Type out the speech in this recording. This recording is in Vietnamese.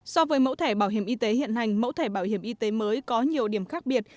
so với mẫu thẻ bảo hiểm y tế hiện hành mẫu thẻ bảo hiểm y tế mới có nhiều điểm khác biệt